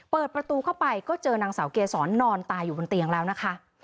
เปิดประตูเข้าไปก็เจอนางสาวเกษรนอนตายอยู่บนเตียงแล้วนะคะ